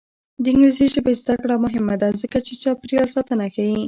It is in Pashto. د انګلیسي ژبې زده کړه مهمه ده ځکه چې چاپیریال ساتنه ښيي.